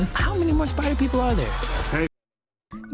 berapa banyak orang spiderman di sana